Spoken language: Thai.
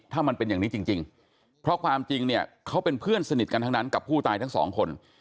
ถ้ามันเป็นอย่างนี้จริงเพราะความจริงเนี่ยเขาเป็นเพื่อนสนิทกันทั้งนั้นกับผู้ตายทั้งสองคน